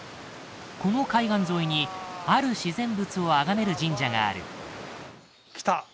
この海岸沿いにある自然物をあがめる神社があるきた！